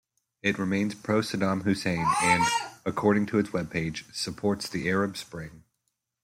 It remains pro-Saddam Hussein and, according to its webpage, supports the Arab Spring.